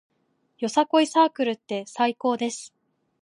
よさこいサークルって最高です